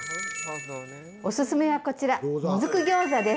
おすすめは、こちら。